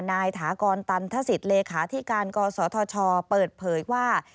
ถากรตันทศิษย์เลขาธิการกศธชเปิดเผยว่า